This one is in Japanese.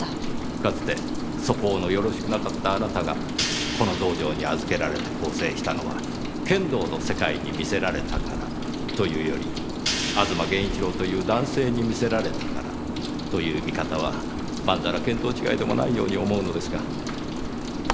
かつて素行のよろしくなかったあなたがこの道場に預けられて更生したのは剣道の世界に魅せられたからというより吾妻源一郎という男性に魅せられたからという見方はまんざら見当違いでもないように思うのですが。